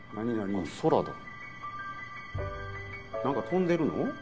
何か飛んでるの？